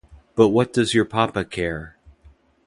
But what does your papa care!